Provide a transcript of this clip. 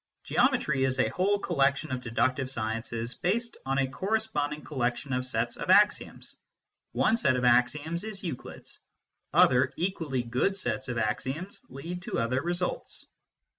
Geometry is a whole collection of deductive sciences based on a corresponding collection of sets of axioms. One set of axioms is Euclid s ; other equally good sets of axioms lead to other results.